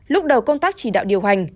lúc đầu công tác chỉ đạo điều hành